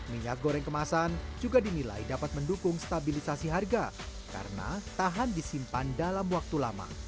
minyak goreng kemasan juga dinilai dapat mendukung stabilisasi harga karena tahan disimpan dalam waktu lama